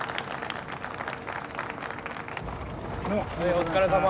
お疲れさま。